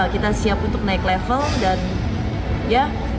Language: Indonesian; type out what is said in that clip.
kita siap untuk naik level dan ya